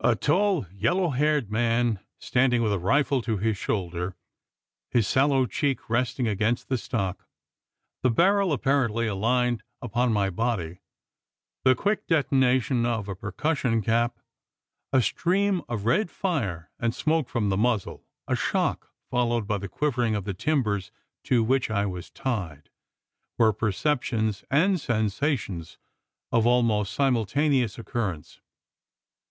A tall yellow haired man standing with a rifle to his shoulder his sallow cheek resting against the stock the barrel apparently aligned upon my body the quick detonation of a percussion cap a stream of red fire and smoke from the muzzle a shock, followed by the quivering of the timbers to which I was tied, were perceptions and sensations of almost simultaneous occurrence.